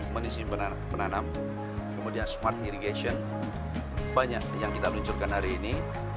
mengisi penanam kemudian smart irigation banyak yang kita luncurkan hari ini